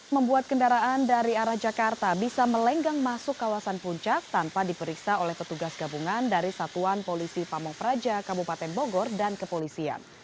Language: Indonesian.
membuat kendaraan dari arah jakarta bisa melenggang masuk kawasan puncak tanpa diperiksa oleh petugas gabungan dari satuan polisi pamung praja kabupaten bogor dan kepolisian